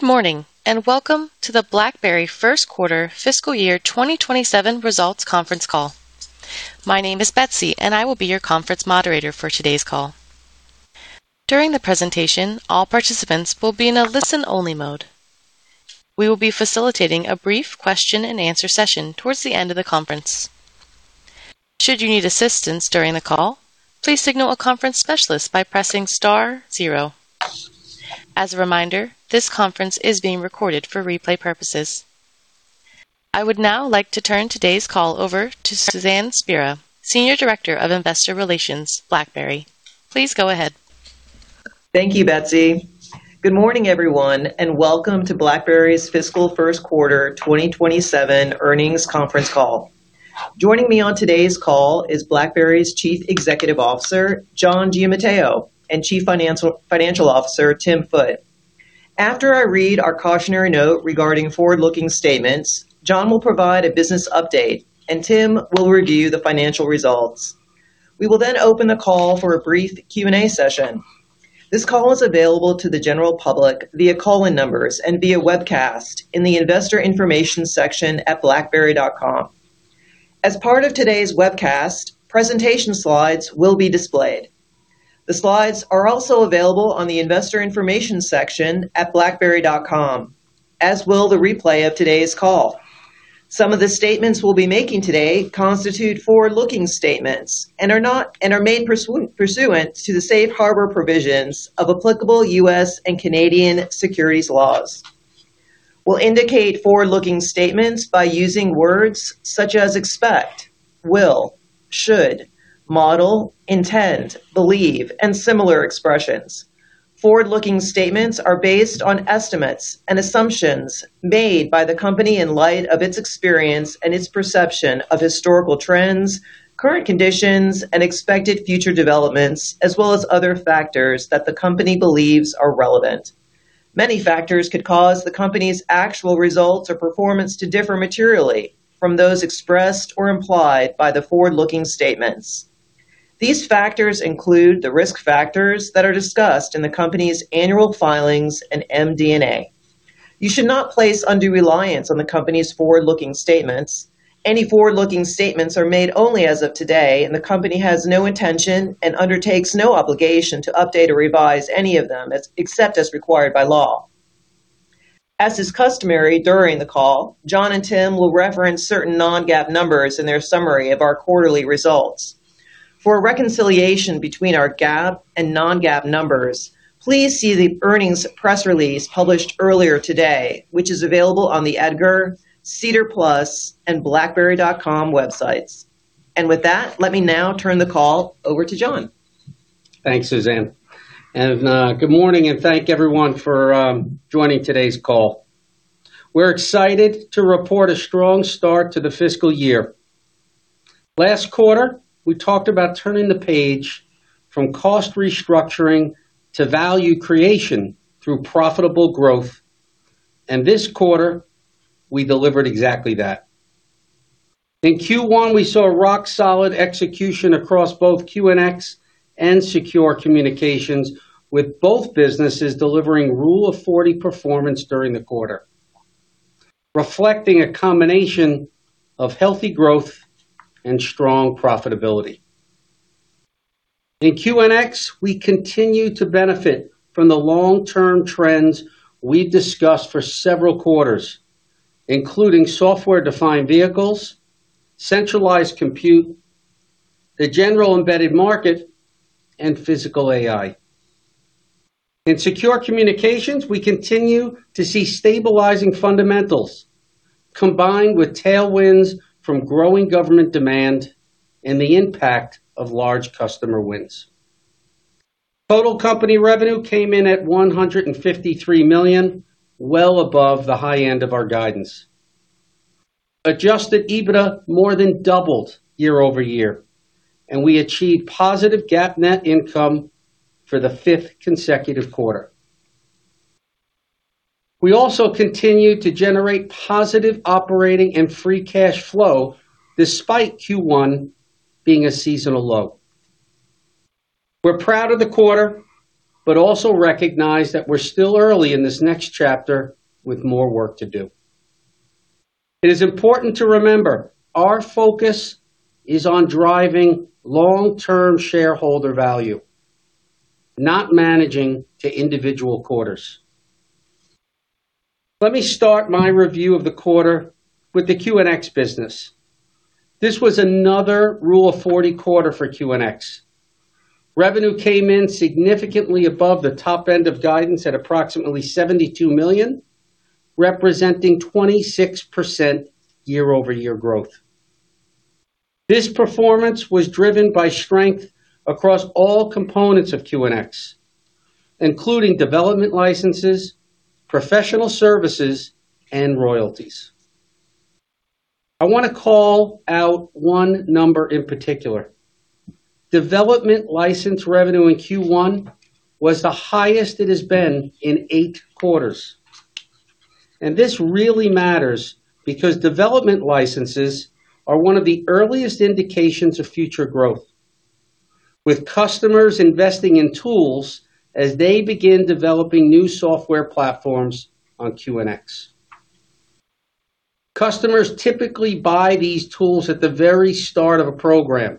Good morning, welcome to the BlackBerry first quarter fiscal year 2027 results conference call. My name is Betsy, and I will be your conference moderator for today's call. During the presentation, all participants will be in a listen-only mode. We will be facilitating a brief question and answer session towards the end of the conference. Should you need assistance during the call, please signal a conference specialist by pressing star zero. As a reminder, this conference is being recorded for replay purposes. I would now like to turn today's call over to Suzanne Spera, Senior Director of Investor Relations, BlackBerry. Please go ahead. Thank you, Betsy. Good morning, everyone, welcome to BlackBerry's fiscal first quarter 2027 earnings conference call. Joining me on today's call is BlackBerry's Chief Executive Officer, John Giamatteo, and Chief Financial Officer, Tim Foote. After I read our cautionary note regarding forward-looking statements, John will provide a business update, Tim will review the financial results. We will open the call for a brief Q&A session. This call is available to the general public via call-in numbers and via webcast in the investor information section at blackberry.com. As part of today's webcast, presentation slides will be displayed. The slides are also available on the investor information section at blackberry.com, as will the replay of today's call. Some of the statements we'll be making today constitute forward-looking statements and are made pursuant to the safe harbor provisions of applicable U.S. and Canadian securities laws. We'll indicate forward-looking statements by using words such as expect, will, should, model, intend, believe, and similar expressions. Forward-looking statements are based on estimates and assumptions made by the company in light of its experience and its perception of historical trends, current conditions, and expected future developments, as well as other factors that the company believes are relevant. Many factors could cause the company's actual results or performance to differ materially from those expressed or implied by the forward-looking statements. These factors include the risk factors that are discussed in the company's annual filings and MD&A. You should not place undue reliance on the company's forward-looking statements. Any forward-looking statements are made only as of today, the company has no intention and undertakes no obligation to update or revise any of them except as required by law. As is customary during the call, John and Tim will reference certain non-GAAP numbers in their summary of our quarterly results. For a reconciliation between our GAAP and non-GAAP numbers, please see the earnings press release published earlier today, which is available on the EDGAR, SEDAR+, and blackberry.com websites. With that, let me now turn the call over to John. Thanks, Suzanne. Good morning, and thank you everyone for joining today's call. We are excited to report a strong start to the fiscal year. Last quarter, we talked about turning the page from cost restructuring to value creation through profitable growth. This quarter, we delivered exactly that. In Q1, we saw rock-solid execution across both QNX and Secure Communications, with both businesses delivering Rule of 40 performance during the quarter, reflecting a combination of healthy growth and strong profitability. In QNX, we continue to benefit from the long-term trends we have discussed for several quarters, including software-defined vehicles, centralized compute, the general embedded market, and physical AI. In Secure Communications, we continue to see stabilizing fundamentals combined with tailwinds from growing government demand and the impact of large customer wins. Total company revenue came in at $153 million, well above the high end of our guidance. Adjusted EBITDA more than doubled year-over-year, and we achieved positive GAAP net income for the fifth consecutive quarter. We also continued to generate positive operating and free cash flow despite Q1 being a seasonal low. We are proud of the quarter, but also recognize that we are still early in this next chapter with more work to do. It is important to remember, our focus is on driving long-term shareholder value, not managing to individual quarters. Let me start my review of the quarter with the QNX business. This was another Rule of 40 quarter for QNX. Revenue came in significantly above the top end of guidance at approximately $72 million, representing 26% year-over-year growth. This performance was driven by strength across all components of QNX, including development licenses, professional services, and royalties. I want to call out one number in particular. Development license revenue in Q1 was the highest it has been in eight quarters. This really matters because development licenses are one of the earliest indications of future growth with customers investing in tools as they begin developing new software platforms on QNX. Customers typically buy these tools at the very start of a program,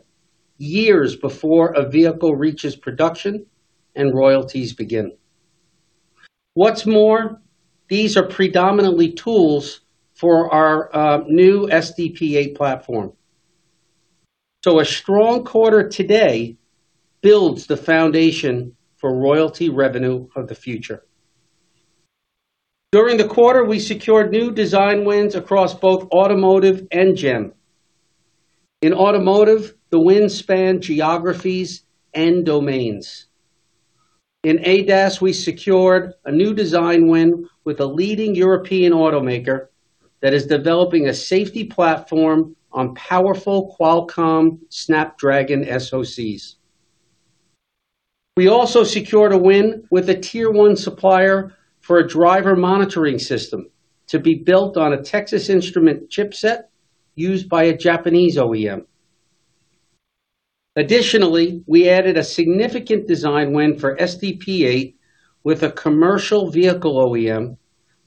years before a vehicle reaches production and royalties begin. What is more, these are predominantly tools for our new SDP8 platform. A strong quarter today builds the foundation for royalty revenue of the future. During the quarter, we secured new design wins across both automotive and GEM. In automotive, the wins span geographies and domains. In ADAS, we secured a new design win with a leading European automaker that is developing a safety platform on powerful Qualcomm Snapdragon SoCs. We also secured a win with a Tier 1 supplier for a driver monitoring system to be built on a Texas Instruments chipset used by a Japanese OEM. Additionally, we added a significant design win for SDP8 with a commercial vehicle OEM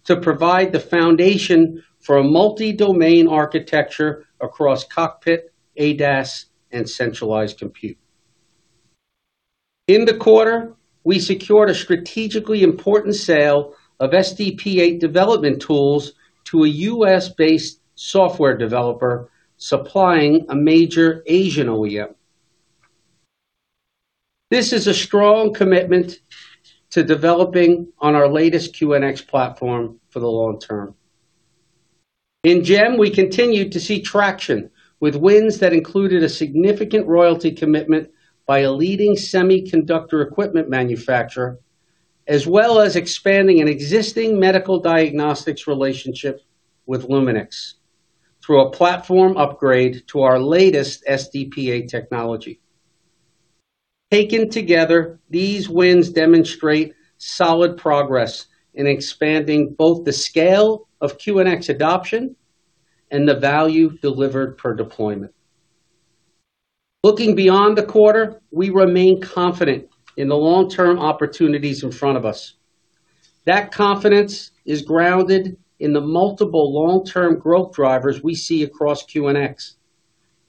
to provide the foundation for a multi-domain architecture across cockpit, ADAS, and centralized compute. In the quarter, we secured a strategically important sale of SDP8 development tools to a U.S.-based software developer supplying a major Asian OEM. This is a strong commitment to developing on our latest QNX platform for the long term. In GEM, we continued to see traction with wins that included a significant royalty commitment by a leading semiconductor equipment manufacturer, as well as expanding an existing medical diagnostics relationship with Luminex through a platform upgrade to our latest SDP8 technology. Taken together, these wins demonstrate solid progress in expanding both the scale of QNX adoption and the value delivered per deployment. Looking beyond the quarter, we remain confident in the long-term opportunities in front of us. That confidence is grounded in the multiple long-term growth drivers we see across QNX,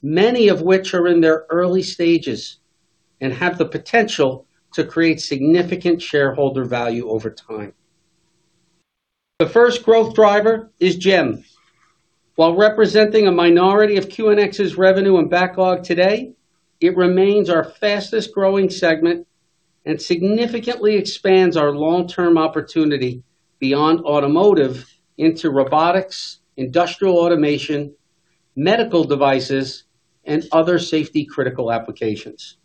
many of which are in their early stages and have the potential to create significant shareholder value over time. The first growth driver is GEM. While representing a minority of QNX's revenue and backlog today, it remains our fastest-growing segment and significantly expands our long-term opportunity beyond automotive into robotics, industrial automation, medical devices, and other safety-critical applications.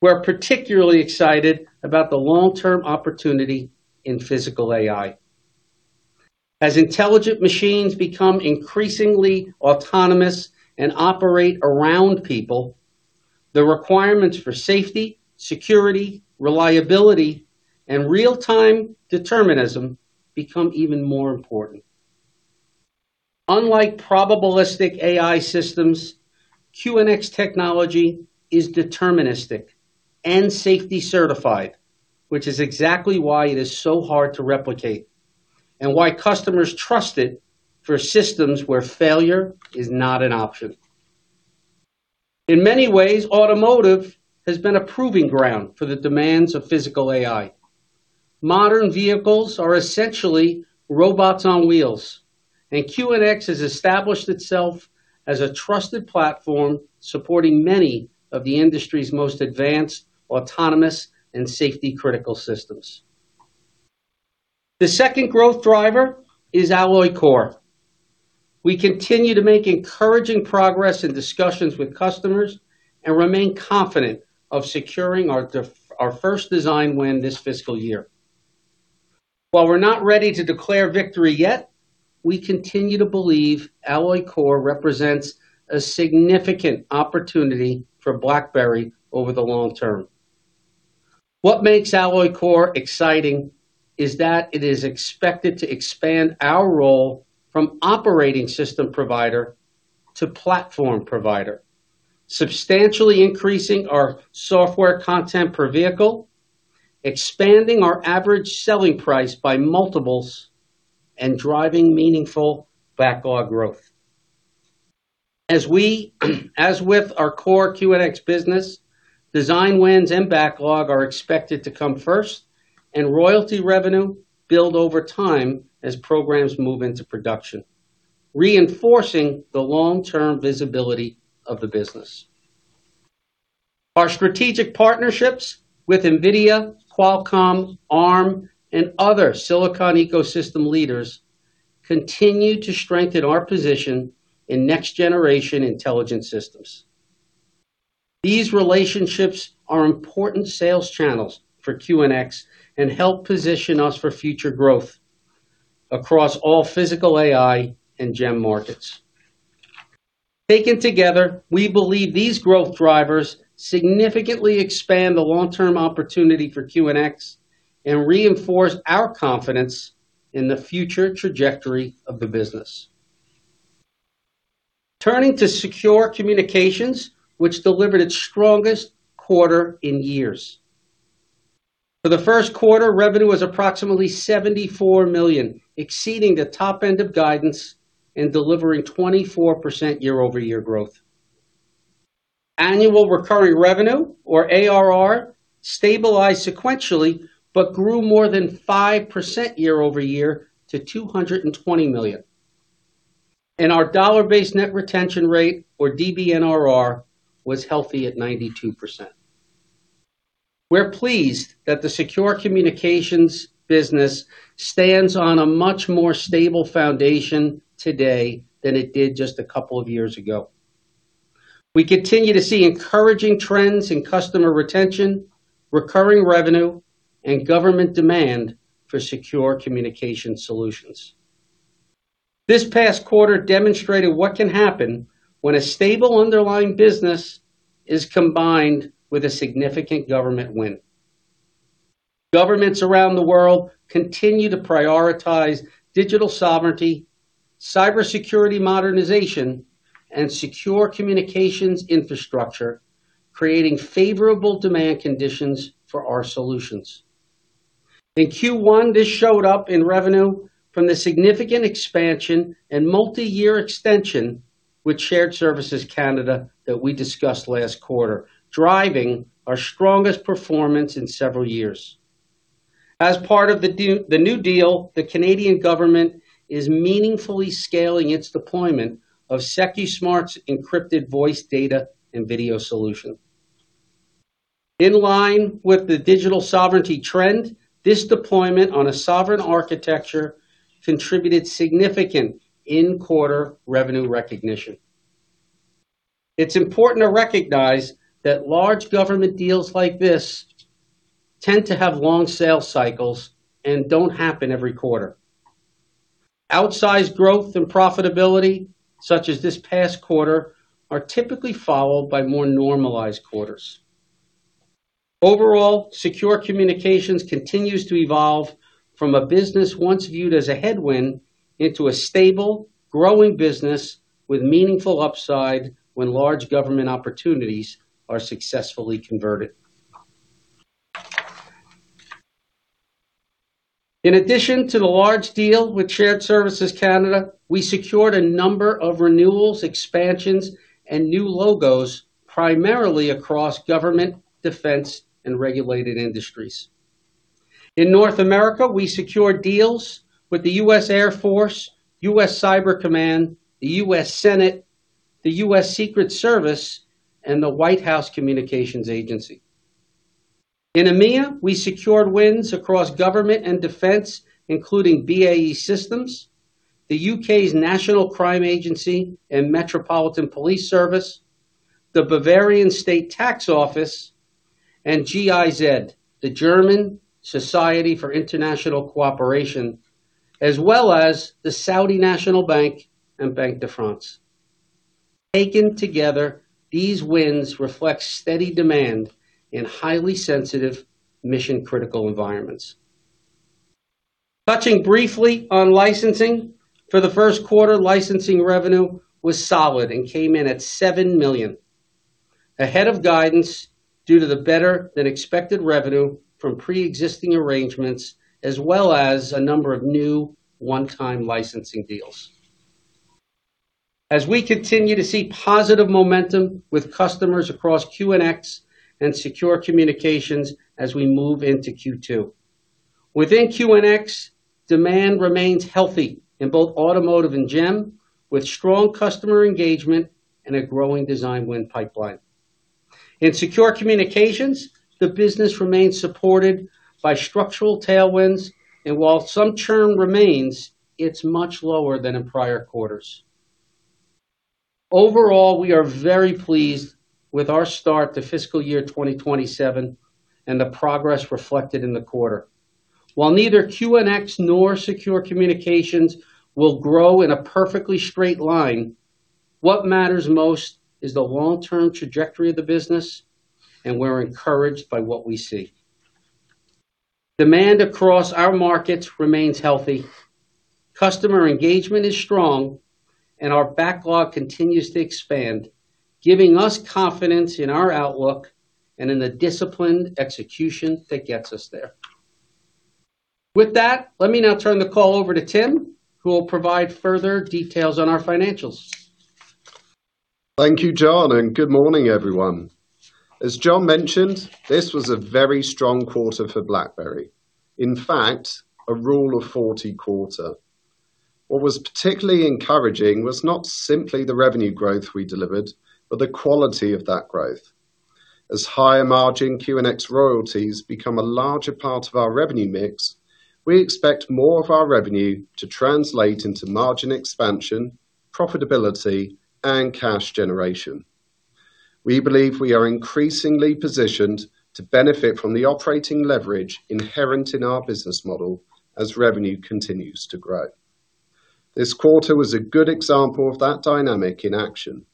We're particularly excited about the long-term opportunity in physical AI. As intelligent machines become increasingly autonomous and operate around people, the requirements for safety, security, reliability, and real-time determinism become even more important. Unlike probabilistic AI systems, QNX technology is deterministic and safety certified, which is exactly why it is so hard to replicate and why customers trust it for systems where failure is not an option. In many ways, automotive has been a proving ground for the demands of physical AI. Modern vehicles are essentially robots on wheels, and QNX has established itself as a trusted platform supporting many of the industry's most advanced, autonomous, and safety-critical systems. The second growth driver is Alloy Kore. We continue to make encouraging progress in discussions with customers and remain confident of securing our first design win this fiscal year. While we're not ready to declare victory yet, we continue to believe Alloy Kore represents a significant opportunity for BlackBerry over the long term. What makes Alloy Kore exciting is that it is expected to expand our role from operating system provider to platform provider, substantially increasing our software content per vehicle, expanding our average selling price by multiples, and driving meaningful backlog growth. As with our core QNX business, design wins and backlog are expected to come first, and royalty revenue build over time as programs move into production, reinforcing the long-term visibility of the business. Our strategic partnerships with NVIDIA, Qualcomm, Arm, and other silicon ecosystem leaders continue to strengthen our position in next-generation intelligent systems. These relationships are important sales channels for QNX and help position us for future growth across all physical AI and GEM markets. Taken together, we believe these growth drivers significantly expand the long-term opportunity for QNX and reinforce our confidence in the future trajectory of the business. Turning to Secure Communications, which delivered its strongest quarter in years. For the first quarter, revenue was approximately $74 million, exceeding the top end of guidance and delivering 24% year-over-year growth. Annual recurring revenue, or ARR, stabilized sequentially, but grew more than 5% year-over-year to $220 million. Our dollar-based net retention rate, or DBNRR, was healthy at 92%. We're pleased that the Secure Communications business stands on a much more stable foundation today than it did just a couple of years ago. We continue to see encouraging trends in customer retention, recurring revenue, and government demand for secure communication solutions. This past quarter demonstrated what can happen when a stable underlying business is combined with a significant government win. Governments around the world continue to prioritize digital sovereignty, cybersecurity modernization, and secure communications infrastructure, creating favorable demand conditions for our solutions. In Q1, this showed up in revenue from the significant expansion and multi-year extension with Shared Services Canada that we discussed last quarter, driving our strongest performance in several years. As part of the new deal, the Canadian government is meaningfully scaling its deployment of Secusmart's encrypted voice data and video solution. In line with the digital sovereignty trend, this deployment on a sovereign architecture contributed significant in-quarter revenue recognition. It's important to recognize that large government deals like this tend to have long sales cycles and don't happen every quarter. Outsized growth and profitability, such as this past quarter, are typically followed by more normalized quarters. Overall, secure communications continues to evolve from a business once viewed as a headwind into a stable, growing business with meaningful upside when large government opportunities are successfully converted. In addition to the large deal with Shared Services Canada, we secured a number of renewals, expansions, and new logos, primarily across government, defense, and regulated industries. In North America, we secured deals with the U.S. Air Force, U.S. Cyber Command, the U.S. Senate, the U.S. Secret Service, and the White House Communications Agency. In EMEA, we secured wins across government and defense, including BAE Systems, the U.K.'s National Crime Agency, and Metropolitan Police Service, the Bavarian State Tax Office, and GIZ, the German Society for International Cooperation, as well as the Saudi National Bank and Banque de France. Taken together, these wins reflect steady demand in highly sensitive mission-critical environments. Touching briefly on licensing. For the first quarter, licensing revenue was solid and came in at $7 million. Ahead of guidance due to the better-than-expected revenue from pre-existing arrangements as well as a number of new one-time licensing deals. As we continue to see positive momentum with customers across QNX and secure communications as we move into Q2. Within QNX, demand remains healthy in both automotive and GEM, with strong customer engagement and a growing design win pipeline. In secure communications, the business remains supported by structural tailwinds, and while some churn remains, it's much lower than in prior quarters. Overall, we are very pleased with our start to fiscal year 2027 and the progress reflected in the quarter. While neither QNX nor secure communications will grow in a perfectly straight line, what matters most is the long-term trajectory of the business, and we're encouraged by what we see. Demand across our markets remains healthy. Customer engagement is strong, our backlog continues to expand, giving us confidence in our outlook and in the disciplined execution that gets us there. With that, let me now turn the call over to Tim, who will provide further details on our financials. Thank you, John, and good morning, everyone. As John mentioned, this was a very strong quarter for BlackBerry. In fact, a Rule of 40 quarter. What was particularly encouraging was not simply the revenue growth we delivered, but the quality of that growth. As higher margin QNX royalties become a larger part of our revenue mix, we expect more of our revenue to translate into margin expansion, profitability, and cash generation. We believe we are increasingly positioned to benefit from the operating leverage inherent in our business model as revenue continues to grow. This quarter was a good example of that dynamic in action.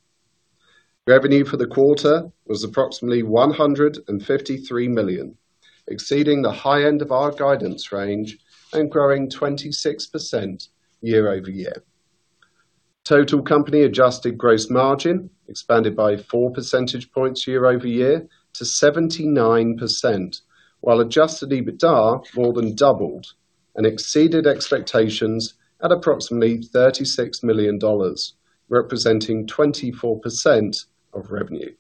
Revenue for the quarter was approximately $153 million, exceeding the high end of our guidance range and growing 26% year-over-year. Total company adjusted gross margin expanded by four percentage points year-over-year to 79%, while adjusted EBITDA more than doubled and exceeded expectations at approximately $36 million, representing 24% of revenue.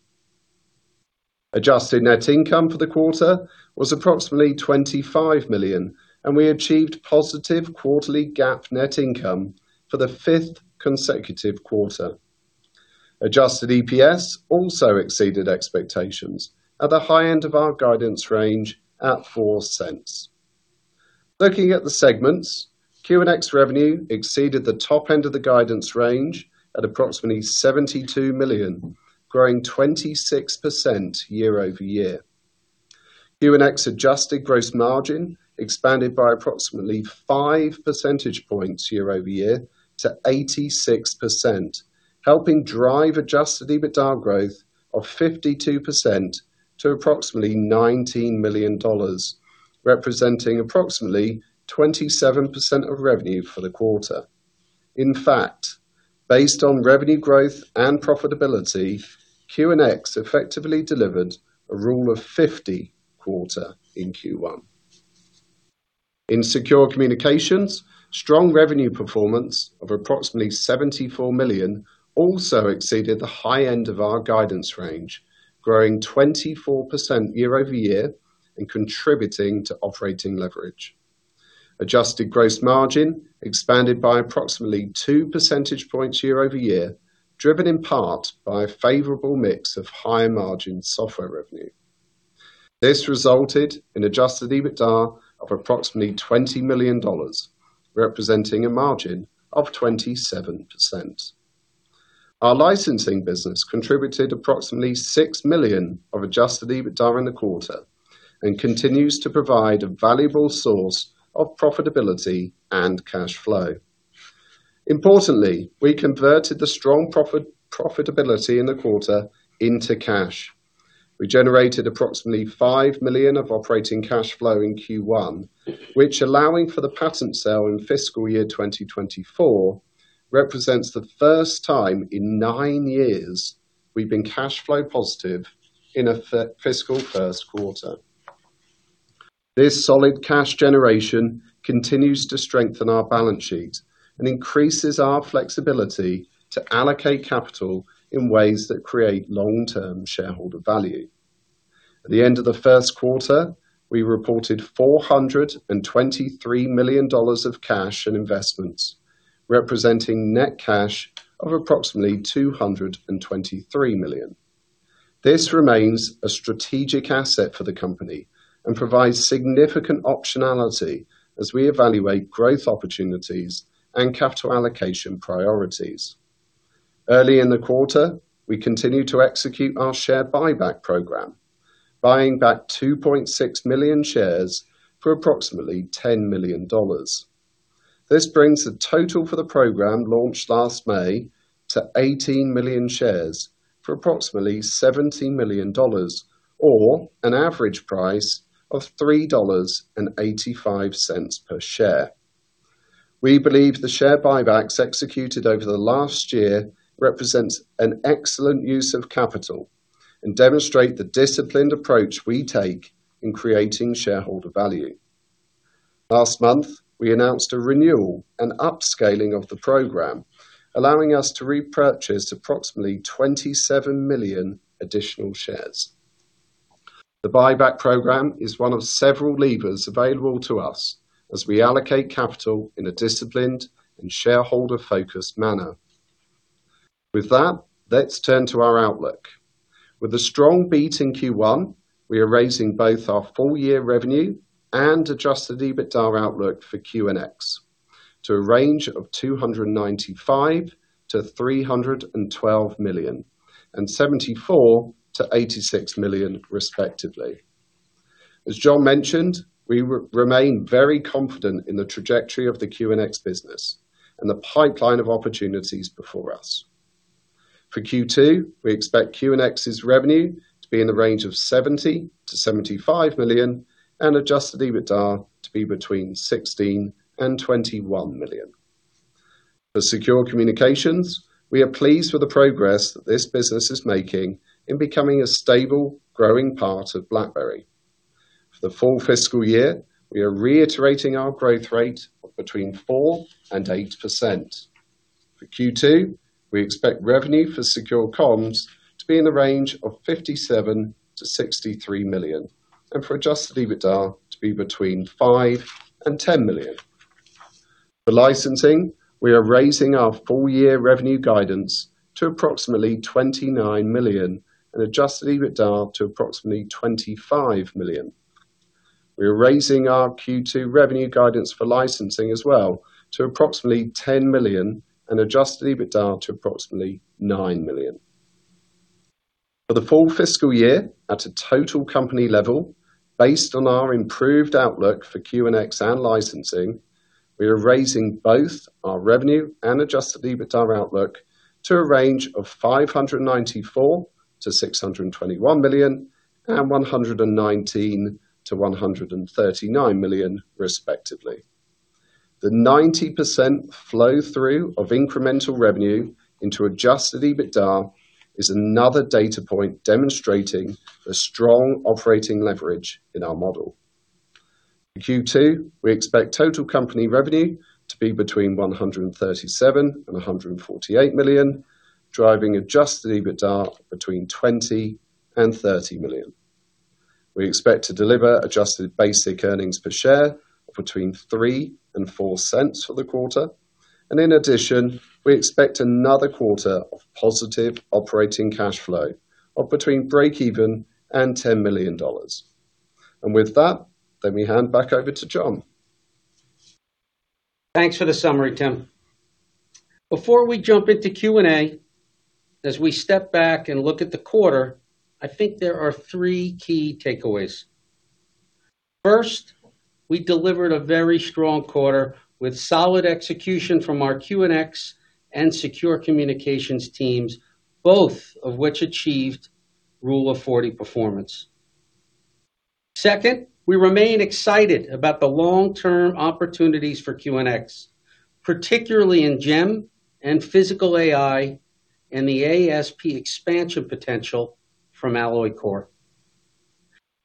Adjusted net income for the quarter was approximately $25 million, and we achieved positive quarterly GAAP net income for the fifth consecutive quarter. Adjusted EPS also exceeded expectations at the high end of our guidance range at $0.04. Looking at the segments, QNX revenue exceeded the top end of the guidance range at approximately $72 million, growing 26% year-over-year. QNX adjusted gross margin expanded by approximately five percentage points year-over-year to 86%, helping drive adjusted EBITDA growth of 52% to approximately $19 million, representing approximately 27% of revenue for the quarter. In fact, based on revenue growth and profitability, QNX effectively delivered a Rule of 50 quarter in Q1. In Secure Communications, strong revenue performance of approximately $74 million also exceeded the high end of our guidance range, growing 24% year-over-year and contributing to operating leverage. Adjusted gross margin expanded by approximately two percentage points year-over-year, driven in part by a favorable mix of higher margin software revenue. This resulted in adjusted EBITDA of approximately $20 million, representing a margin of 27%. Our licensing business contributed approximately $6 million of adjusted EBITDA in the quarter and continues to provide a valuable source of profitability and cash flow. Importantly, we converted the strong profitability in the quarter into cash. We generated approximately $5 million of operating cash flow in Q1, which allowing for the patent sale in fiscal year 2024, represents the first time in nine years we've been cash flow positive in a fiscal first quarter. This solid cash generation continues to strengthen our balance sheet and increases our flexibility to allocate capital in ways that create long-term shareholder value. At the end of the first quarter, we reported $423 million of cash and investments, representing net cash of approximately $223 million. This remains a strategic asset for the company and provides significant optionality as we evaluate growth opportunities and capital allocation priorities. Early in the quarter, we continued to execute our share buyback program, buying back 2.6 million shares for approximately $10 million. This brings the total for the program launched last May to 18 million shares for approximately $70 million, or an average price of $3.85 per share. We believe the share buybacks executed over the last year represents an excellent use of capital and demonstrate the disciplined approach we take in creating shareholder value. Last month, we announced a renewal and upscaling of the program, allowing us to repurchase approximately $27 million additional shares. The buyback program is one of several levers available to us as we allocate capital in a disciplined and shareholder-focused manner. Let's turn to our outlook. With a strong beat in Q1, we are raising both our full year revenue and adjusted EBITDA outlook for QNX to a range of $295 million-$312 million and $74 million-$86 million respectively. As John mentioned, we remain very confident in the trajectory of the QNX business and the pipeline of opportunities before us. For Q2, we expect QNX's revenue to be in the range of $70 million-$75 million and adjusted EBITDA to be between $16 million-$21 million. For Secure Communications, we are pleased with the progress that this business is making in becoming a stable, growing part of BlackBerry. For the full fiscal year, we are reiterating our growth rate of between 4%-8%. For Q2, we expect revenue for Secure Comms to be in the range of $57 million-$63 million and for adjusted EBITDA to be between $5 million-$10 million. For licensing, we are raising our full year revenue guidance to approximately $29 million and adjusted EBITDA to approximately $25 million. We are raising our Q2 revenue guidance for licensing as well to approximately $10 million and adjusted EBITDA to approximately $9 million. For the full fiscal year at a total company level, based on our improved outlook for QNX and licensing, we are raising both our revenue and adjusted EBITDA outlook to a range of $594 million-$621 million and $119 million-$139 million, respectively. The 90% flow through of incremental revenue into adjusted EBITDA is another data point demonstrating the strong operating leverage in our model. In Q2, we expect total company revenue to be between $137 million-$148 million, driving adjusted EBITDA between $20 million-$30 million. We expect to deliver adjusted basic earnings per share of between $0.03-$0.04 for the quarter. In addition, we expect another quarter of positive operating cash flow of between breakeven and $10 million. With that, let me hand back over to John. Thanks for the summary, Tim. Before we jump into Q&A, as we step back and look at the quarter, I think there are three key takeaways. First, we delivered a very strong quarter with solid execution from our QNX and Secure Communications teams, both of which achieved Rule of 40 performance. Second, we remain excited about the long-term opportunities for QNX, particularly in GEM and physical AI and the ASP expansion potential from Alloy Kore.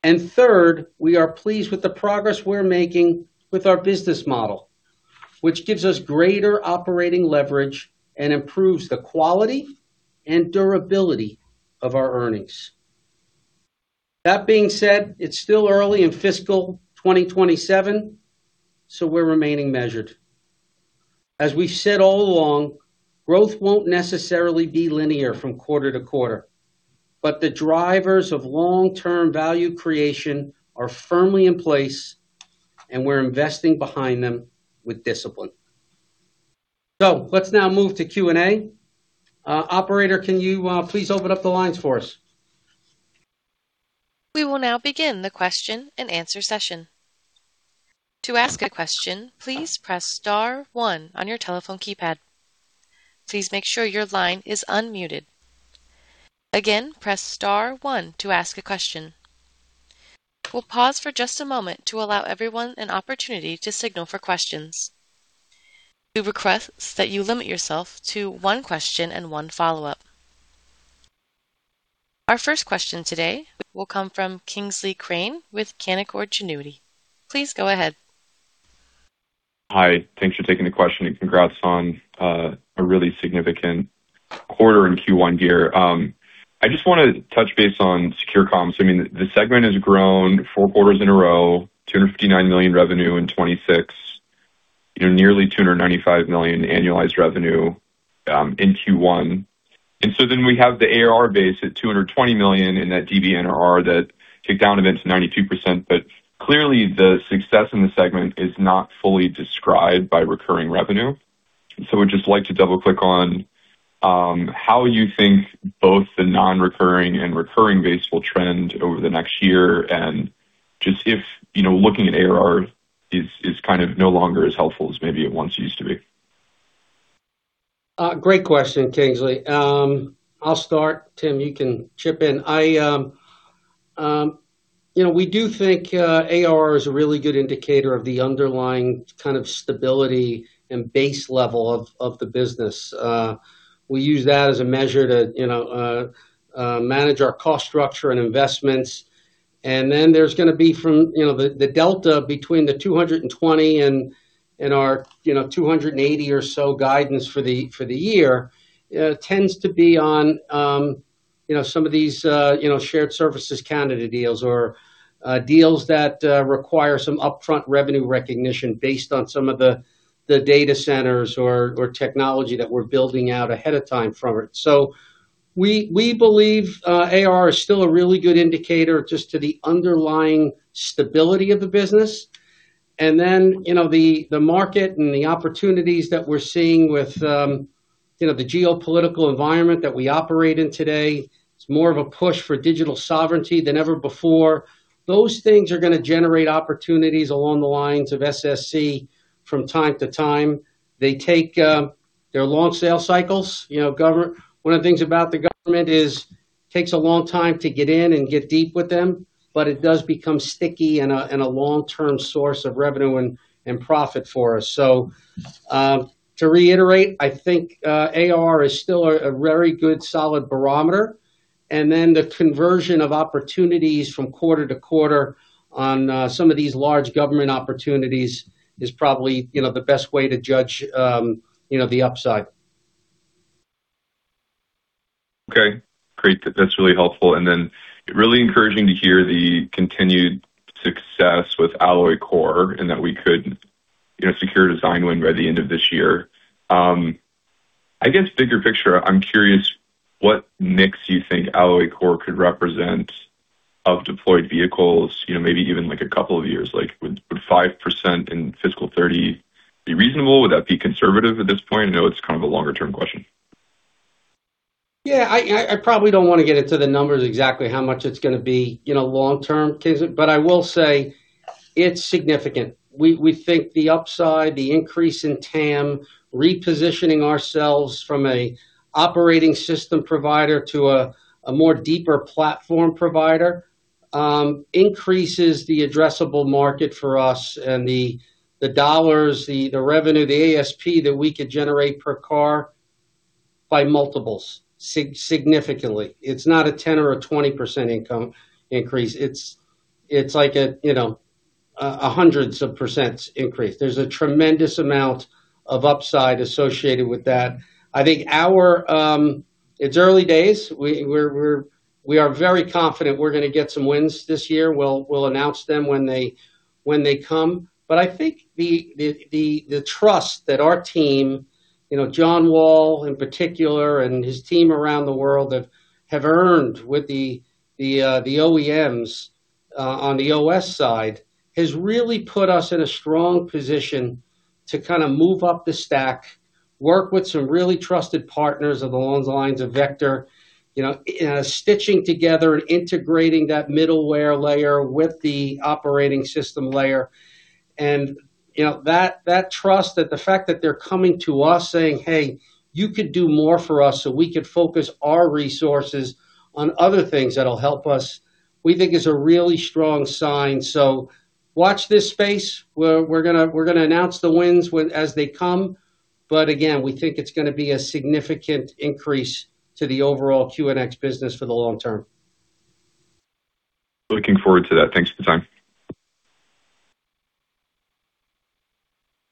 Third, we are pleased with the progress we're making with our business model, which gives us greater operating leverage and improves the quality and durability of our earnings. That being said, it's still early in FY 2027. We're remaining measured. As we've said all along, growth won't necessarily be linear from quarter to quarter. The drivers of long-term value creation are firmly in place. We're investing behind them with discipline. Let's now move to Q&A. Operator, can you please open up the lines for us? We will now begin the question and answer session. To ask a question, please press star one on your telephone keypad. Please make sure your line is unmuted. Again, press star one to ask a question. We will pause for just a moment to allow everyone an opportunity to signal for questions. We request that you limit yourself to one question and one follow-up. Our first question today will come from Kingsley Crane with Canaccord Genuity. Please go ahead. Hi. Thanks for taking the question, congrats on a really significant quarter in Q1 here. I just want to touch base on Secure Comms. The segment has grown four quarters in a row, $259 million revenue in 2026, nearly $295 million annualized revenue in Q1. We have the ARR base at $220 million, and that DBNRR that kicked down to 92%. Clearly the success in the segment is not fully described by recurring revenue. Would just like to double-click on how you think both the non-recurring and recurring base will trend over the next year, and just if looking at ARR is no longer as helpful as maybe it once used to be. Great question, Kingsley. I will start. Tim, you can chip in. We do think ARR is a really good indicator of the underlying kind of stability and base level of the business. We use that as a measure to manage our cost structure and investments. There is going to be from the delta between the $220 and our $280 or so guidance for the year tends to be on some of these Shared Services Canada deals or deals that require some upfront revenue recognition based on some of the data centers or technology that we are building out ahead of time from it. We believe ARR is still a really good indicator just to the underlying stability of the business. The market and the opportunities that we are seeing with the geopolitical environment that we operate in today, it is more of a push for digital sovereignty than ever before. Those things are going to generate opportunities along the lines of SSC from time to time. They're long sales cycles. One of the things about the government is it takes a long time to get in and get deep with them, but it does become sticky and a long-term source of revenue and profit for us. To reiterate, I think ARR is still a very good solid barometer. The conversion of opportunities from quarter to quarter on some of these large government opportunities is probably the best way to judge the upside. Okay. Great. That's really helpful. Really encouraging to hear the continued success with Alloy Kore and that we could secure a design win by the end of this year. I guess bigger picture, I'm curious what mix you think Alloy Kore could represent of deployed vehicles, maybe even a couple of years. Would 5% in fiscal 2030 be reasonable? Would that be conservative at this point? I know it's kind of a longer-term question. Yeah. I probably don't want to get into the numbers exactly how much it's going to be long-term, Kingsley. I will say it's significant. We think the upside, the increase in TAM, repositioning ourselves from a operating system provider to a more deeper platform provider, increases the addressable market for us and the dollars, the revenue, the ASP that we could generate per car by multiples, significantly. It's not a 10 or a 20% income increase. It's like a hundreds of percent's increase. There's a tremendous amount of upside associated with that. It's early days. We are very confident we're going to get some wins this year. We'll announce them when they come. I think the trust that our team, John Wall in particular, and his team around the world have earned with the OEMs on the OS side, has really put us in a strong position to kind of move up the stack, work with some really trusted partners along the lines of Vector, stitching together and integrating that middleware layer with the operating system layer. That trust, that the fact that they're coming to us saying, "Hey, you could do more for us so we could focus our resources on other things that'll help us," we think is a really strong sign. Watch this space. We're going to announce the wins as they come. Again, we think it's going to be a significant increase to the overall QNX business for the long term. Looking forward to that. Thanks for the time.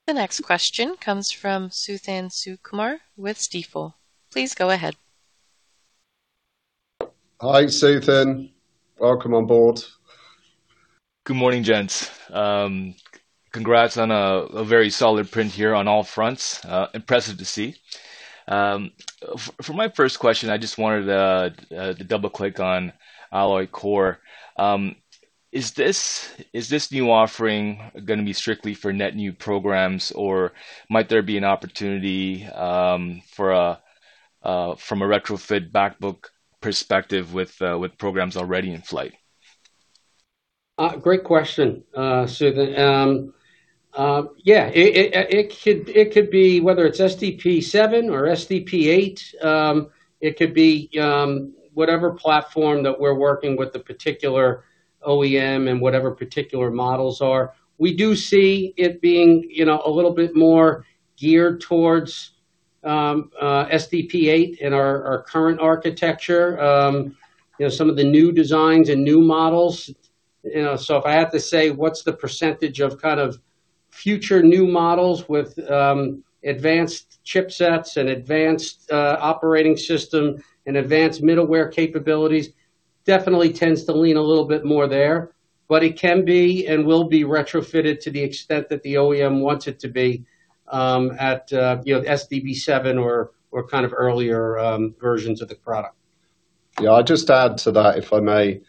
The next question comes from Suthan Sukumar with Stifel. Please go ahead. Hi, Suthan. Welcome on board. Good morning, gents. Congrats on a very solid print here on all fronts. Impressive to see. For my first question, I just wanted to double-click on Alloy Kore. Is this new offering going to be strictly for net new programs, or might there be an opportunity from a retrofit back book perspective with programs already in flight? Great question, Suthan. Yeah. It could be, whether it's SDP7 or SDP8, it could be whatever platform that we're working with the particular OEM and whatever particular models are. We do see it being a little bit more geared towards SDP8 in our current architecture, some of the new designs and new models. If I have to say, what's the percentage of kind of future new models with advanced chipsets and advanced operating system and advanced middleware capabilities, definitely tends to lean a little bit more there. It can be and will be retrofitted to the extent that the OEM wants it to be at SDP7 or kind of earlier versions of the product. Yeah. I'll just add to that, if I may.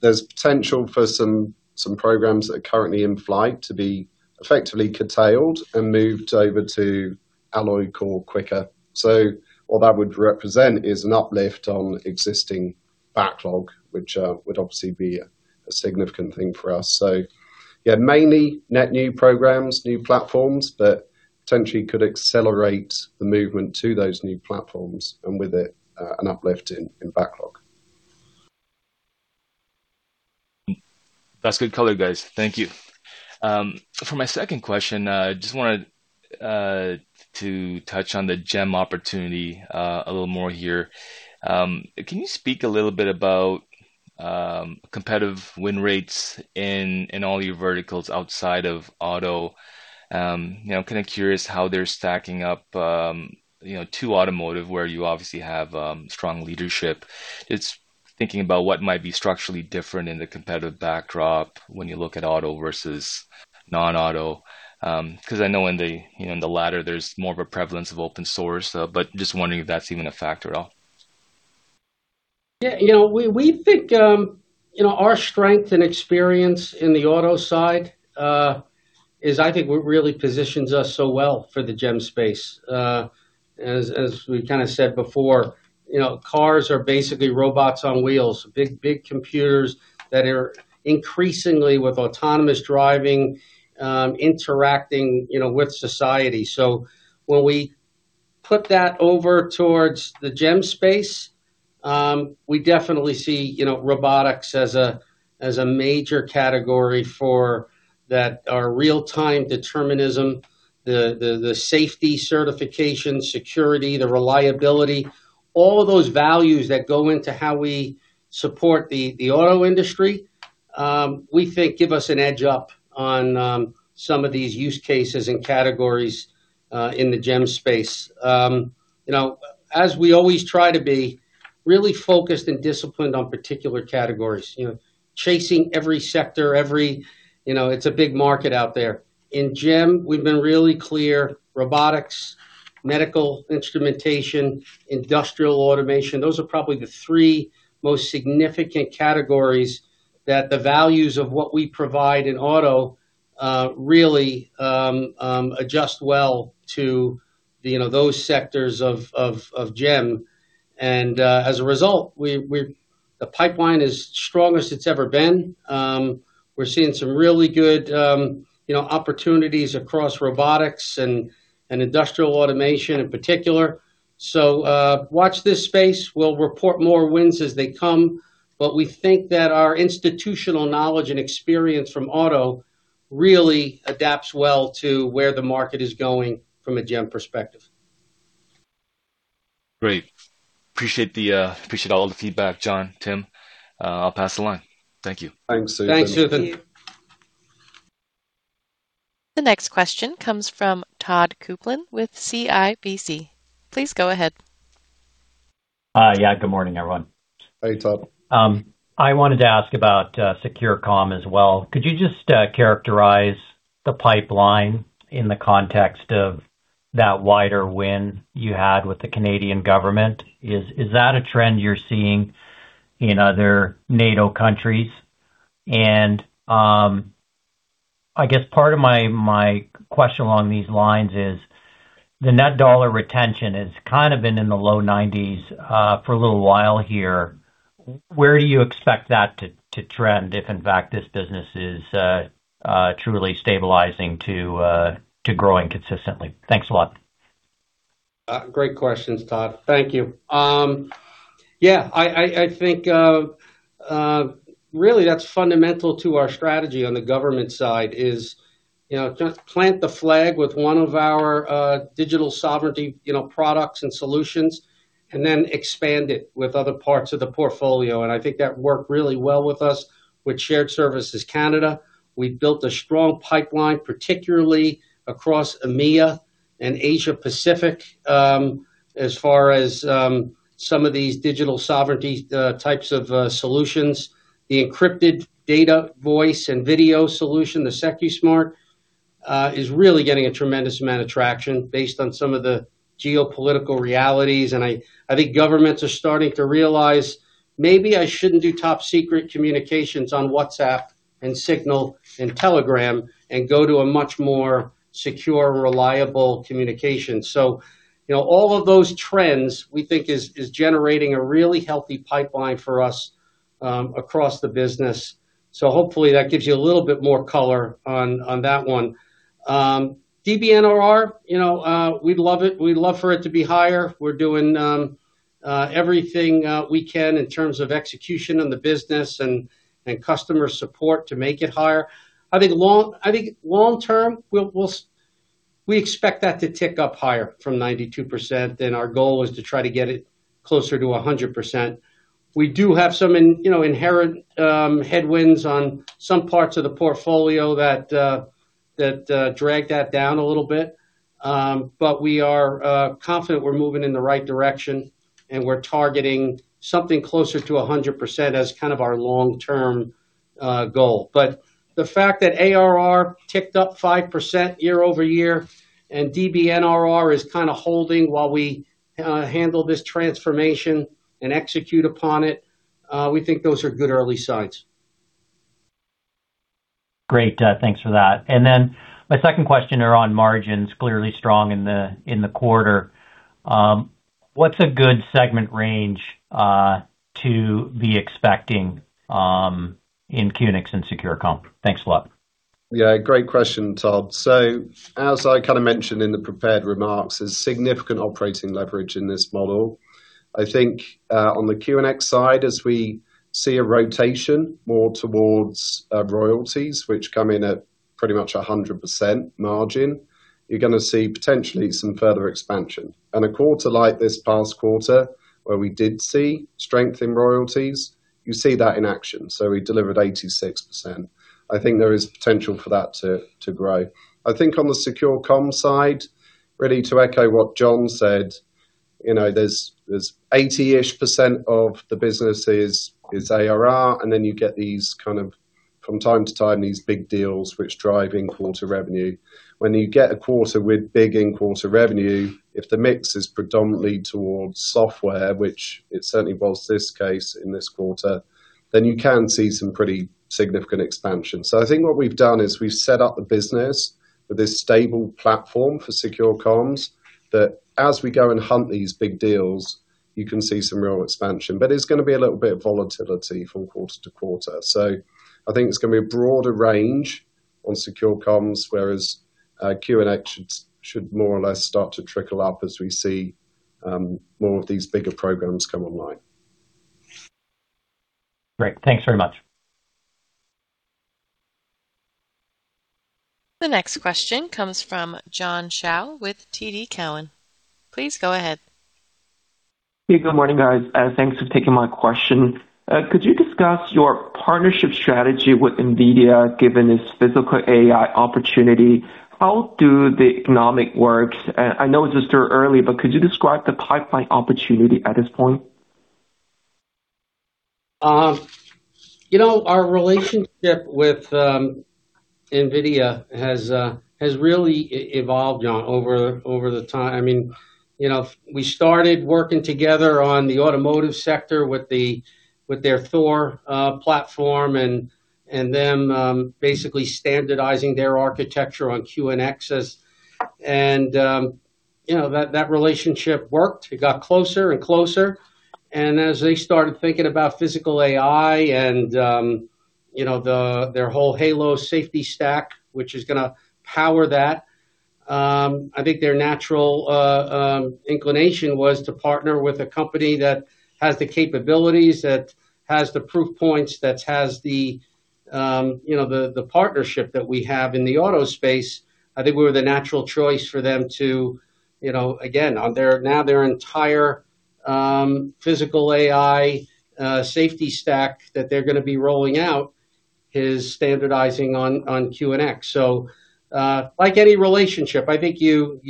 There's potential for some programs that are currently in flight to be effectively curtailed and moved over to Alloy Kore quicker. What that would represent is an uplift on existing backlog, which would obviously be a significant thing for us. Yeah, mainly net new programs, new platforms that potentially could accelerate the movement to those new platforms, and with it, an uplift in backlog. That's good color, guys. Thank you. For my second question, I just wanted to touch on the GEM opportunity a little more here. Can you speak a little bit about competitive win rates in all your verticals outside of auto? Kind of curious how they're stacking up to automotive, where you obviously have strong leadership. Just thinking about what might be structurally different in the competitive backdrop when you look at auto versus non-auto. I know in the latter, there's more of a prevalence of open source, just wondering if that's even a factor at all. We think our strength and experience in the auto side is I think what really positions us so well for the GEM space. As we said before, cars are basically robots on wheels. Big computers that are increasingly with autonomous driving, interacting with society. When we put that over towards the GEM space, we definitely see robotics as a major category for that, real-time determinism, the safety certification, security, the reliability. All of those values that go into how we support the auto industry, we think give us an edge up on some of these use cases and categories in the GEM space. We always try to be really focused and disciplined on particular categories. Chasing every sector, it's a big market out there. In GEM, we've been really clear: robotics, medical instrumentation, industrial automation. Those are probably the three most significant categories that the values of what we provide in auto really adjust well to those sectors of GEM. As a result, the pipeline is strongest it's ever been. We're seeing some really good opportunities across robotics and industrial automation in particular. Watch this space. We'll report more wins as they come. We think that our institutional knowledge and experience from auto really adapts well to where the market is going from a GEM perspective. Great. Appreciate all the feedback, John, Tim. I'll pass the line. Thank you. Thanks, Suthan. Thanks, Suthan. Thank you. The next question comes from Todd Coupland with CIBC. Please go ahead. Good morning, everyone. Hey, Todd. I wanted to ask about Secure Comm as well. Could you just characterize the pipeline in the context of that wider win you had with the Canadian government? Is that a trend you're seeing in other NATO countries? I guess part of my question along these lines is, the net dollar retention has kind of been in the low 90s for a little while here. Where do you expect that to trend, if in fact this business is truly stabilizing to growing consistently? Thanks a lot. Great questions, Todd. Thank you. I think really that's fundamental to our strategy on the government side is, to plant the flag with one of our digital sovereignty products and solutions and then expand it with other parts of the portfolio. I think that worked really well with us with Shared Services Canada. We built a strong pipeline, particularly across EMEA and Asia Pacific, as far as some of these digital sovereignty types of solutions. The encrypted data, voice, and video solution, the Secusmart, is really getting a tremendous amount of traction based on some of the geopolitical realities. I think governments are starting to realize, "Maybe I shouldn't do top-secret communications on WhatsApp and Signal and Telegram, and go to a much more secure and reliable communication." All of those trends we think is generating a really healthy pipeline for us across the business. Hopefully that gives you a little bit more color on that one. DBNRR, we'd love for it to be higher. We're doing everything we can in terms of execution in the business and customer support to make it higher. I think long term, we expect that to tick up higher from 92%, and our goal is to try to get it closer to 100%. We do have some inherent headwinds on some parts of the portfolio that drag that down a little bit. We are confident we're moving in the right direction, and we're targeting something closer to 100% as kind of our long-term goal. The fact that ARR ticked up 5% year-over-year and DBNRR is kind of holding while we handle this transformation and execute upon it, we think those are good early signs. Great. Thanks for that. My second question are on margins, clearly strong in the quarter. What's a good segment range to be expecting in QNX and Secure Comm? Thanks a lot. Yeah, great question, Todd. As I kind of mentioned in the prepared remarks, there's significant operating leverage in this model. I think on the QNX side, as we see a rotation more towards royalties, which come in at pretty much 100% margin, you're going to see potentially some further expansion. In a quarter like this past quarter where we did see strength in royalties, you see that in action. We delivered 86%. I think there is potential for that to grow. I think on the Secure Comm side, really to echo what John said, there's 80-ish% of the business is ARR, and then you get these kind of from time to time these big deals which drive in-quarter revenue. When you get a quarter with big in-quarter revenue, if the mix is predominantly towards software, which it certainly was this case in this quarter, then you can see some pretty significant expansion. I think what we've done is we've set up the business with this stable platform for Secure Comms that as we go and hunt these big deals, you can see some real expansion. It's going to be a little bit of volatility from quarter to quarter. I think it's going to be a broader range on Secure Comms, whereas QNX should more or less start to trickle up as we see more of these bigger programs come online. Great. Thanks very much. The next question comes from John Shao with TD Cowen. Please go ahead. Hey, good morning, guys. Thanks for taking my question. Could you discuss your partnership strategy with NVIDIA given this physical AI opportunity? How do the economics work? I know it's still early, but could you describe the pipeline opportunity at this point? Our relationship with NVIDIA has really evolved over the time. We started working together on the automotive sector with their Thor platform and them basically standardizing their architecture on QNX. That relationship worked. It got closer and closer, and as they started thinking about physical AI and their whole Halos safety stack, which is going to power that, I think their natural inclination was to partner with a company that has the capabilities, that has the proof points, that has the partnership that we have in the auto space. I think we were the natural choice for them to, again, now their entire physical AI safety stack that they're going to be rolling out is standardizing on QNX. Like any relationship, I think you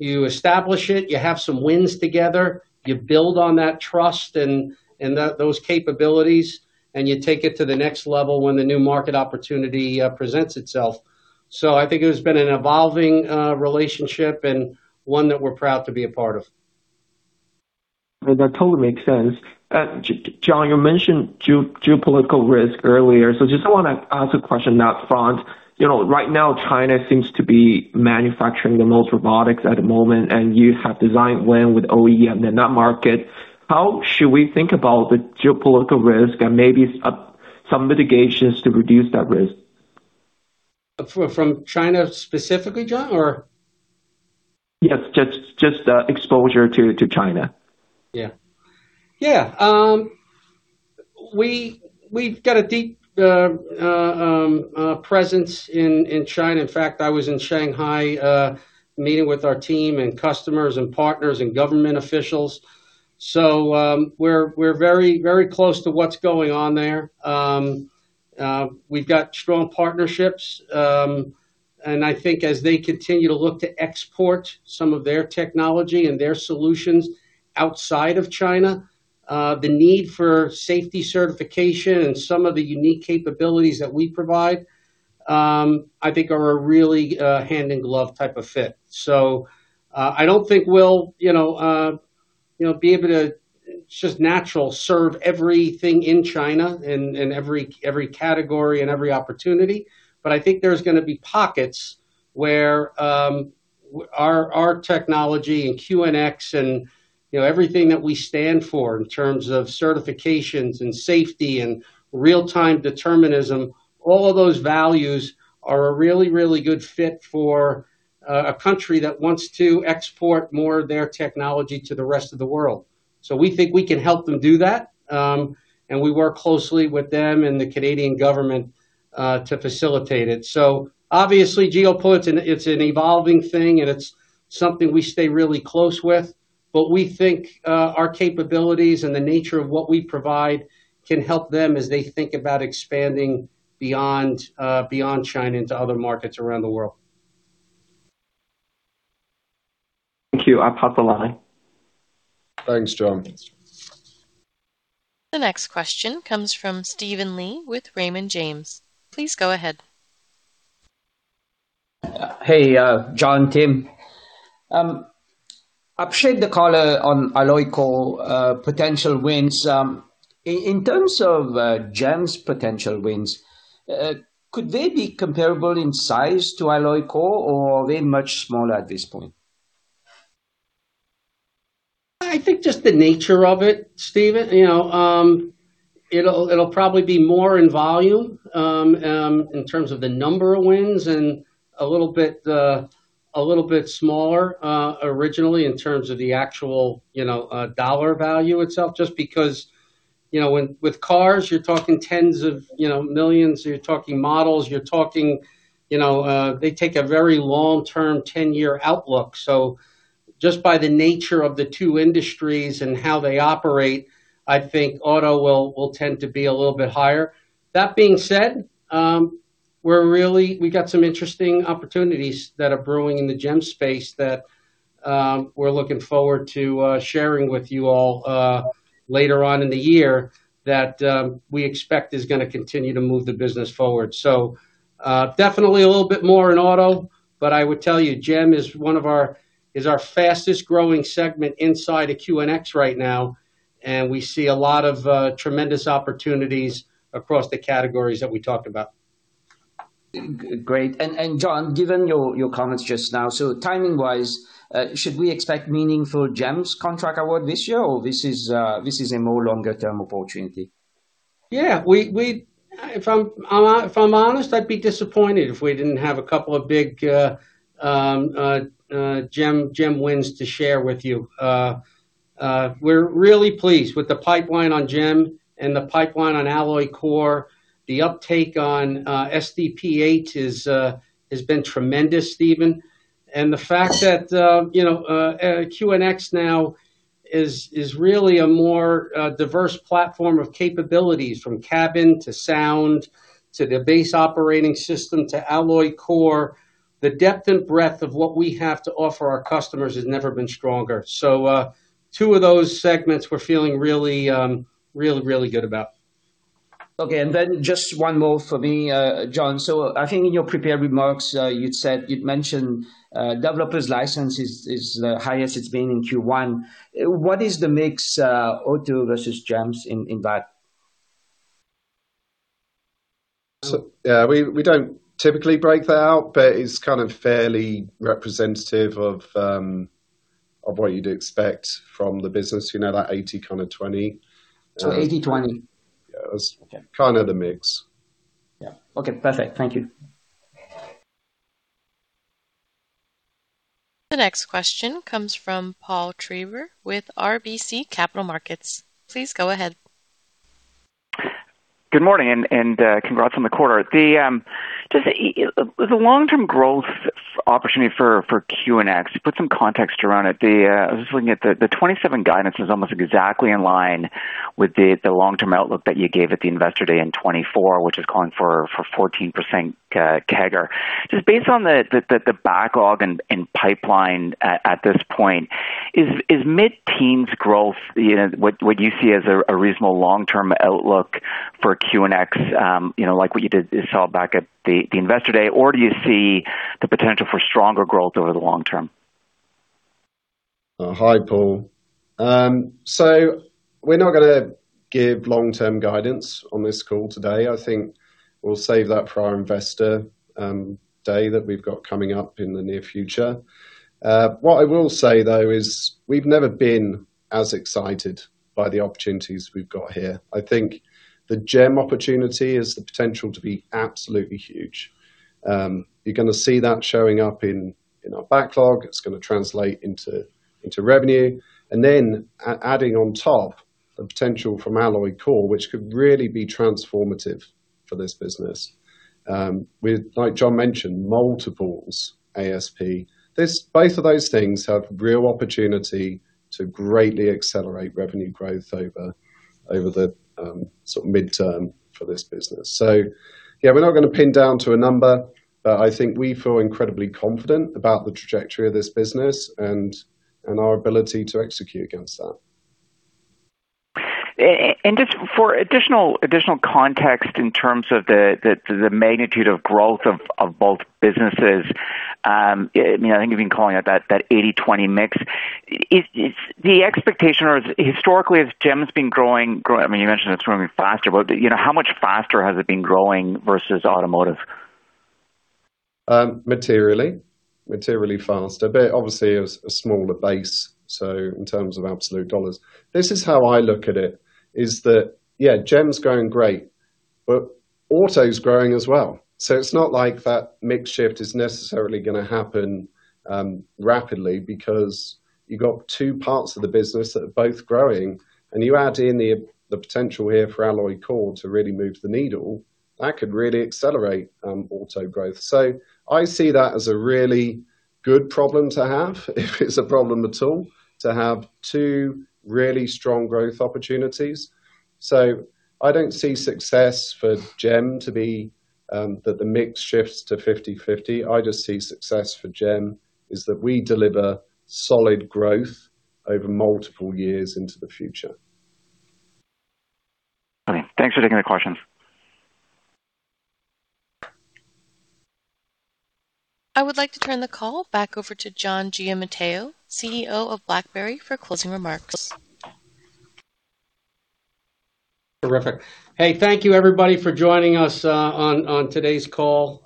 establish it, you have some wins together, you build on that trust and those capabilities, and you take it to the next level when the new market opportunity presents itself. I think it has been an evolving relationship and one that we're proud to be a part of. That totally makes sense. John, you mentioned geopolitical risk earlier. Just want to ask a question on that front. Right now, China seems to be manufacturing the most robotics at the moment, and you have design win with OEM in that market. How should we think about the geopolitical risk and maybe some mitigations to reduce that risk? From China specifically, John? Yes, just exposure to China. Yeah. We've got a deep presence in China. In fact, I was in Shanghai meeting with our team and customers and partners and government officials. We're very close to what's going on there. We've got strong partnerships. I think as they continue to look to export some of their technology and their solutions outside of China, the need for safety certification and some of the unique capabilities that we provide, I think are a really hand-in-glove type of fit. I don't think we'll be able to just naturally serve everything in China and every category and every opportunity. I think there's going to be pockets where our technology and QNX and everything that we stand for in terms of certifications and safety and real-time determinism, all of those values are a really, really good fit for a country that wants to export more of their technology to the rest of the world. We think we can help them do that, and we work closely with them and the Canadian government to facilitate it. Obviously, geopolitics, it's an evolving thing, and it's something we stay really close with, but we think our capabilities and the nature of what we provide can help them as they think about expanding beyond China into other markets around the world. Thank you. I'll pop the line. Thanks, John. The next question comes from Steven Li with Raymond James. Please go ahead. Hey, John, Tim. Appreciate the color on Alloy Kore potential wins. In terms of GEM's potential wins, could they be comparable in size to Alloy Kore, or are they much smaller at this point? I think just the nature of it, Steven, it'll probably be more in volume, in terms of the number of wins, and a little bit smaller originally in terms of the actual dollar value itself, just because with cars, you're talking tens of millions, you're talking models. They take a very long-term, 10-year outlook. Just by the nature of the two industries and how they operate, I think auto will tend to be a little bit higher. That being said, we got some interesting opportunities that are brewing in the GEM space that we're looking forward to sharing with you all later on in the year that we expect is going to continue to move the business forward. Definitely a little bit more in auto, but I would tell you, GEM is our fastest-growing segment inside of QNX right now, and we see a lot of tremendous opportunities across the categories that we talked about. Great. John, given your comments just now, timing-wise, should we expect meaningful GEM's contract award this year, or this is a more longer-term opportunity? If I'm honest, I'd be disappointed if we didn't have a couple of big GEM wins to share with you. We're really pleased with the pipeline on GEM and the pipeline on Alloy Kore. The uptake on SDP8 has been tremendous, Steven. The fact that QNX now is really a more diverse platform of capabilities, from cabin to sound to their base operating system to Alloy Kore. The depth and breadth of what we have to offer our customers has never been stronger. Two of those segments we're feeling really, really good about. Just one more for me, John. I think in your prepared remarks, you mentioned developers license is the highest it's been in Q1. What is the mix, auto versus GEM in that? We don't typically break that out, but it's kind of fairly representative of what you'd expect from the business, that 80/20. 80/20? Yeah. Okay. Kind of the mix. Yeah. Okay, perfect. Thank you. The next question comes from Paul Treiber with RBC Capital Markets. Please go ahead. Good morning, and congrats on the quarter. The long-term growth opportunity for QNX, you put some context around it. I was just looking at the 2027 guidance was almost exactly in line with the long-term outlook that you gave at the Investor Day in 2024, which is calling for 14% CAGR. Just based on the backlog and pipeline at this point, is mid-teens growth what you see as a reasonable long-term outlook for QNX, like what you saw back at the Investor Day, or do you see the potential for stronger growth over the long term? Hi, Paul. We're not going to give long-term guidance on this call today. I think we'll save that for our Investor Day that we've got coming up in the near future. What I will say, though, is we've never been as excited by the opportunities we've got here. I think the GEM opportunity has the potential to be absolutely huge. You're going to see that showing up in our backlog. It's going to translate into revenue. Then adding on top the potential from Alloy Kore, which could really be transformative for this business. With, like John mentioned, multiples ASP. Both of those things have real opportunity to greatly accelerate revenue growth over the midterm for this business. Yeah, we're not going to pin down to a number, but I think we feel incredibly confident about the trajectory of this business and our ability to execute against that. Just for additional context in terms of the magnitude of growth of both businesses, I think you've been calling it that 80/20 mix. Historically, as GEM's been growing, you mentioned it's growing faster, but how much faster has it been growing versus automotive? Materially. Materially faster. Obviously, it was a smaller base, so in terms of absolute dollars. This is how I look at it, is that, yeah, GEM's growing great, but auto's growing as well. It's not like that mix shift is necessarily going to happen rapidly because you've got two parts of the business that are both growing, and you add in the potential here for Alloy Kore to really move the needle. That could really accelerate auto growth. I see that as a really good problem to have, if it's a problem at all, to have two really strong growth opportunities. I don't see success for GEM to be that the mix shifts to 50/50. I just see success for GEM is that we deliver solid growth over multiple years into the future. Okay. Thanks for taking the question. I would like to turn the call back over to John Giamatteo, CEO of BlackBerry, for closing remarks. Terrific. Hey, thank you everybody for joining us on today's call.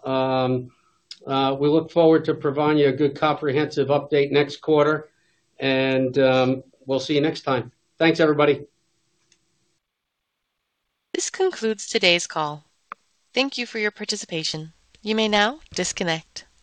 We look forward to providing you a good comprehensive update next quarter, and we'll see you next time. Thanks, everybody. This concludes today's call. Thank you for your participation. You may now disconnect.